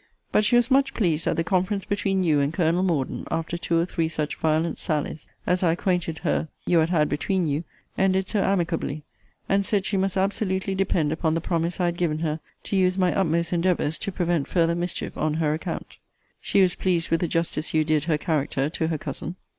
But she was much pleased that the conference between you and Colonel Morden, after two or three such violent sallies, as I acquainted her you had had between you, ended so amicably; and said she must absolutely depend upon the promise I had given her to use my utmost endeavours to prevent farther mischief on her account. She was pleased with the justice you did her character to her cousin.